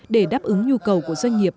để đáp ứng nhu cầu của doanh nghiệp